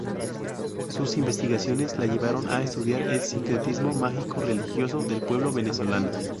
Sus investigaciones la llevaron a estudiar el sincretismo mágico-religioso del pueblo venezolano.